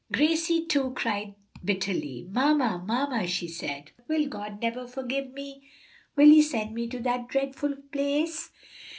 Gracie, too, cried bitterly. "Mamma, mamma," she said, "will God never forgive me? will He send me to that dreadful place?"